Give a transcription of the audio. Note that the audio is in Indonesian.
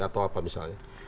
atau apa misalnya